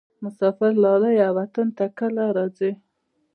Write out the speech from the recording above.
مسافر لالیه وطن ته کله راځې؟